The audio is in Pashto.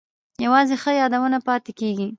یوازې ښه یادونه پاتې کیږي